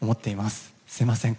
すみません